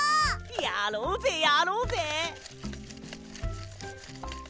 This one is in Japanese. やろうぜやろうぜ！